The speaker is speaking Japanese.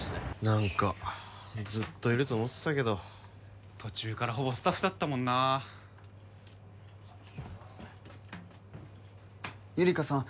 何かずっといると思ってたけど途中からほぼスタッフだったもんなゆりかさん